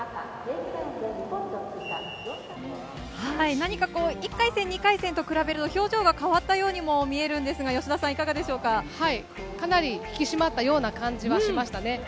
何かこう、１回戦、２回戦と比べると、表情が変わったようにも見えるんですが、吉田さん、かなり引き締まったような感じはしましたね。